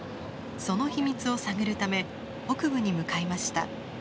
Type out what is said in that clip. その秘密を探るため北部に向かいました。